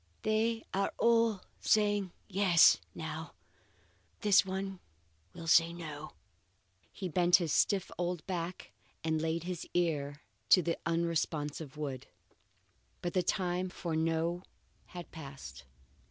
They are all saying Yes! now; but this one will say No!" he bent his stiff old back and laid his ear to the unresponsive wood. But the time for no had passed.